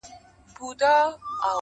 داده غاړي تعويزونه زما بدن خوري.